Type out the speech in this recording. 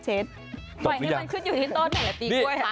ไหมมันขึ้นอยู่ที่ต้นไหมละตีกล้วยค่ะ